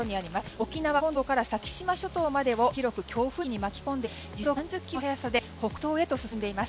沖縄本島から先島諸島までを広く強風域に巻き込んでいて時速３０キロの速さで北東へと進んでいます。